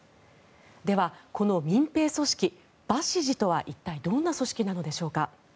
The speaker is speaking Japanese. では、この民兵組織バシジとは一体どんな組織なのでしょうか。